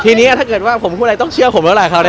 ทีนี้ถ้าเกิดว่าผมพูดอะไรต้องเชื่อผมแล้วแหละคราวนี้